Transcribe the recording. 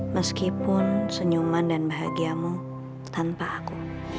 meskipun senyuman dan bahagiamu tanpa aku